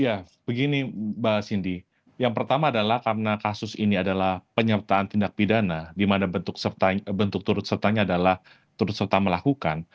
ya begini mbak cindy yang pertama adalah karena kasus ini adalah penyertaan tindak pidana di mana bentuk turut sertanya adalah turut serta melakukan